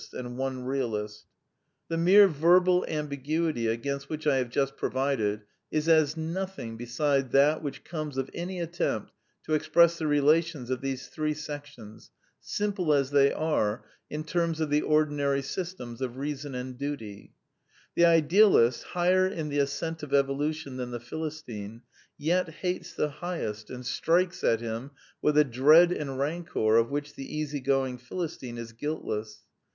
The mere 3© The Quintessence of Ibsenism verbal ambiguity against which I have just pro vided is as nothing beside that which comes of any attempt to express the relations of these three sections, simple as they are, in terms of the ordi nary systems of reason and duty. The idealist, higher in the ascent of evolution than the Philis tine, yet hates the highest and strikes at him with a dread and rancor of which the easygoing Philistine is guiltless.